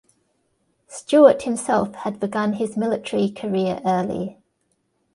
Stewart himself had begun his military career early.